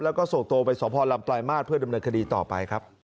แล้วก็ส่งตัวไปสพลำปลายมาตรเพื่อดำเนินคดีต่อไปครับ